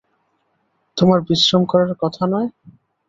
তোমার বিশ্রাম করার কথা নয়?